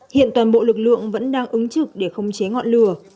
hiện toàn bộ lực lượng vẫn đang ứng trực để khống chế ngọn lửa